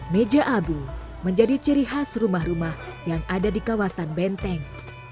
meja abu menjadi ciri khas rumah rumah yang ada di kawasan benteng